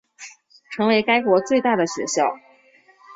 成为该国最大的学校。